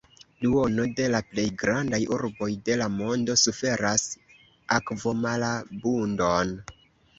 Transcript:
Duono de la plej grandaj urboj de la mondo suferas akvomalabundon.